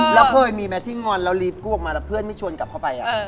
แล้วเคยมีไหมที่งอนแล้วรีบกู้ออกมาแล้วเพื่อนไม่ชวนกลับเข้าไป